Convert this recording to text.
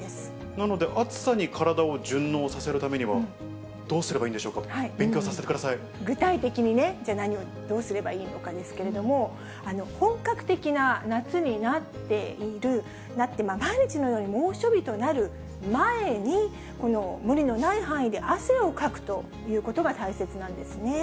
なので、暑さに体を順応させるためには、どうすればいいんでしょうか、具体的にね、じゃ何をどうすればいいのかですけれども、本格的な夏になっている、毎日のように猛暑日となる前に、この無理のない範囲で汗をかくということが大切なんですね。